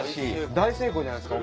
大成功じゃないですか。